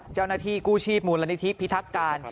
เจ้าหน้าที่กู้ชีพมูลนิธิพิทักการ